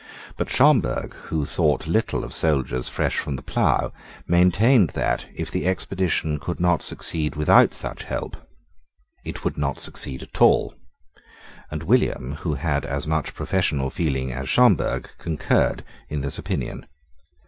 But Schomberg, who thought little of soldiers fresh from the plough, maintained that, if the expedition could not succeed without such help, it would not succeed at all: and William, who had as much professional feeling as Schomberg, concurred in this opinion.